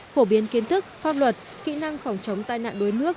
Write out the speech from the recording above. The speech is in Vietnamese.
phổ biến kiến thức pháp luật kỹ năng phòng chống tai nạn đuối nước